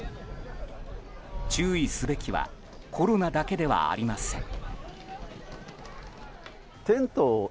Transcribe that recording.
注意すべきはコロナだけではありません。